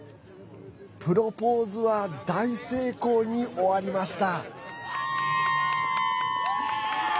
プロポーズは大成功に終わりました。